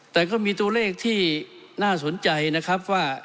แต่ก็มีตัวเลขที่น่าสนใจนะครับว่า